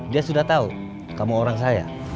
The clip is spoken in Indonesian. dia sudah tahu kamu orang saya